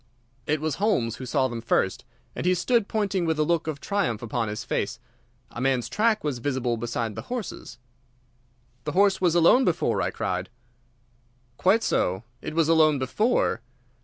It was Holmes who saw them first, and he stood pointing with a look of triumph upon his face. A man's track was visible beside the horse's. "The horse was alone before," I cried. "Quite so. It was alone before.